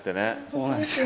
そうなんですよ